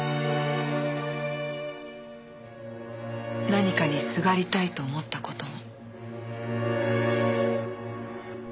何かにすがりたいと思った事も。